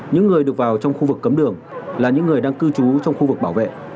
những người được vào trong khu vực cấm đường là những người đang cư trú trong khu vực bảo vệ